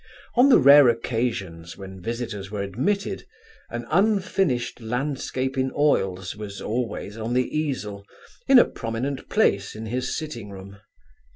On the rare occasions when visitors were admitted, an unfinished landscape in oils was always on the easel, in a prominent place in his sitting room.